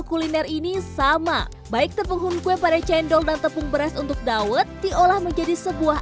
kuliner ini sama baik tepung hunkwe pada cendol dan tepung beras untuk dawet diolah menjadi sebuah